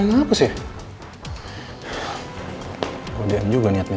kenapa postingan saya dihapus